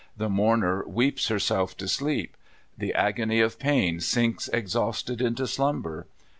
The mourner weeps herself to sleep. The agony of pain sinks exhausted into slumber.